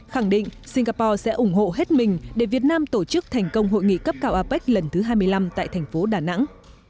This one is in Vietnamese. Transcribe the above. khẳng định singapore sẽ ủng hộ hết mình để việt nam tổ chức thành công hội nghị cấp cao apec lần thứ hai mươi năm tại thành phố đà nẵng